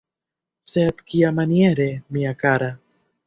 Sed kiamaniere, mia kara?